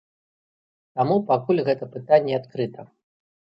Таму пакуль гэта пытанне адкрыта.